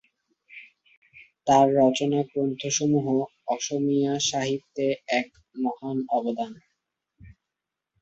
তাঁর রচনা গ্রন্থসমূহ অসমীয়া সাহিত্যে এক মহান অবদান।